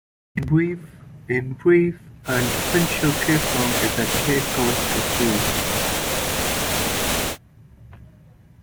In brief, a differential "k-"form is a "k"-covector field.